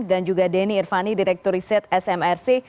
dan juga denny irvani direktur riset smrc